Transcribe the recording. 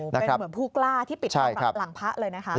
เป็นเหมือนผู้กล้าที่ปิดหลังพระเลยนะคะ